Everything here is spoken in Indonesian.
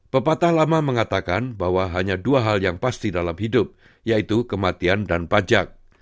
pepatah lama mengatakan bahwa hanya dua hal yang pasti dalam hidup yaitu kematian dan pajak